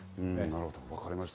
分かりました。